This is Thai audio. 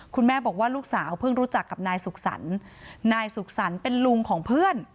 คุณแม่บอกว่าลูกสาวเพิ่งรู้จักกับนายสุขสรรค์นายสุขสรรค์เป็นลุงของเพื่อน